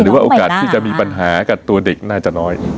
โอกาสที่จะมีปัญหากับตัวเด็กน่าจะน้อย